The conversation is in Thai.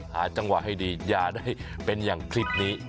หาจังหวะให้ดีอย่าได้เป็นอย่างคลิปนี้